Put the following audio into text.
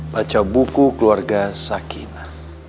baca buku keluarga sakina